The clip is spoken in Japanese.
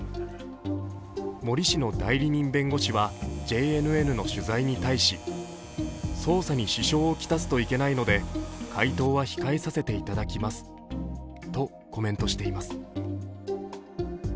森氏の代理人弁護士はＪＮＮの取材に対し、捜査に支障を来すといけないので回答は控えさせていただきますとコメントしています。